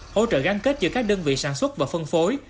hỗ trợ gắn kết giữa các đơn vị sản xuất và phân phối